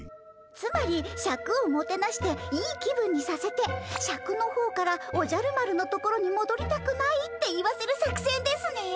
つまりシャクをもてなしていい気分にさせてシャクの方から「おじゃる丸のところにもどりたくない」って言わせる作戦ですね。